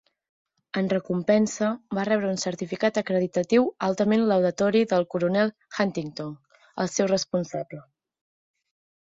En recompensa, va rebre un certificat acreditatiu altament laudatori del coronel Huntington, el seu responsable.